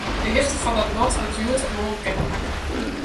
De hichte fan dat bod wurdt hjoed of moarn bekendmakke.